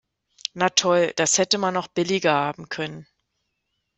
Na toll, das hätte man auch billiger haben können!